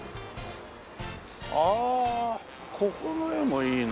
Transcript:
ああここの画もいいな。